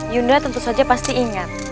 yunda tentu saja pasti ingat